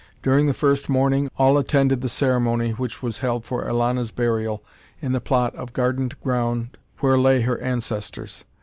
During the first morning, all attended the ceremony which was held for Elana's burial in the plot of gardened ground where lay her ancestors.